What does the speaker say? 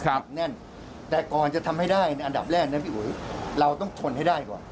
ติดแน่นแต่ก่อนจะทำให้ได้ในอันดับแรกนะพี่อุ๋ยเราต้องทนให้ได้ก่อน